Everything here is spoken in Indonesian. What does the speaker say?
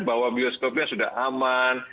bahwa bioskopnya sudah aman